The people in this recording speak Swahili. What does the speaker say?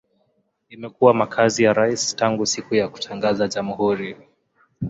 Imekuwa makazi ya rais tangu siku ya kutangaza jamhuri.